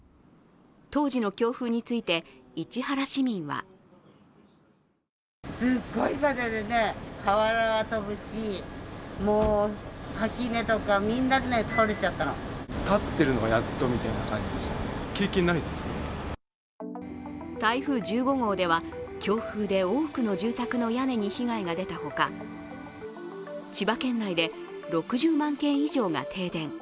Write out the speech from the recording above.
当時の強風について市原市民は台風１５号では強風で多くの住宅の屋根に被害が出たほか、千葉県内で６０万軒以上が停電。